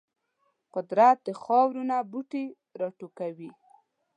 قدرت د خاورو نه بوټي راټوکوي.